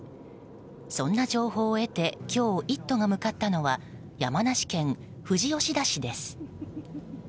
そんな情報を得て今日「イット！」が向かったのは山梨県富士吉田市です。